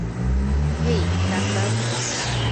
হেই, doctor!